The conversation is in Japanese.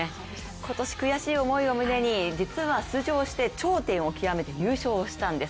今年悔しい思いを胸に、出場して頂点を極めて優勝をしたんです。